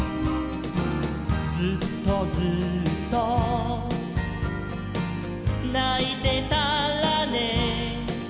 「ずっとずっとないてたらね」